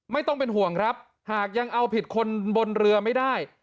ไม่ต้องเป็นห่วงครับหากยังเอาผิดคนบนเรือไม่ได้